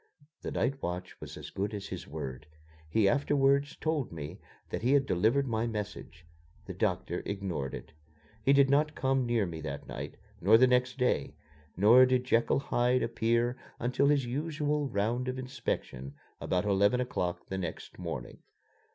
The night watch was as good as his word. He afterwards told me that he had delivered my message. The doctor ignored it. He did not come near me that night, nor the next day, nor did Jekyll Hyde appear until his usual round of inspection about eleven o'clock the next morning.